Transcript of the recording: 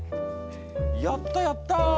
やったやった！